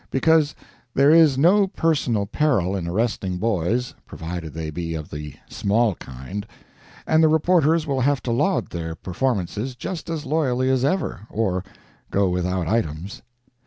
Because there is no personal peril in arresting boys, provided they be of the small kind, and the reporters will have to laud their performances just as loyally as ever, or go without items.